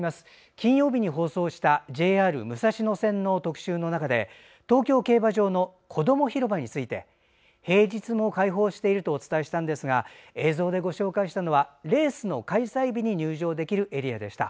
金曜日に放送したＪＲ武蔵野線の特集の中で東京競馬場の子ども広場について平日も開放しているとお伝えしたんですが映像でご紹介したのはレースの開催日に入場できるエリアでした。